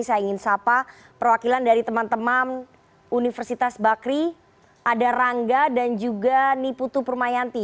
saya ingin sapa perwakilan dari teman teman universitas bakri ada rangga dan juga niputu permayanti